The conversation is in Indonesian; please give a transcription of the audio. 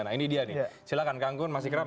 nah ini dia nih silahkan kanggun mas ikram